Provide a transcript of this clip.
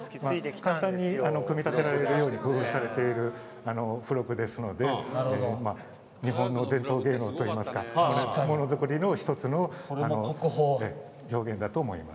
簡単に組み立てられるように工夫されている付録ですので日本の伝統芸能といいますか小物作りの１つの表現だと思います。